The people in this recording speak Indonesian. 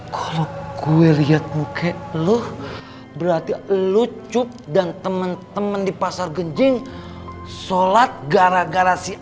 kalau gue lihat muka lu berarti lucu dan temen temen di pasar genjing sholat gara gara si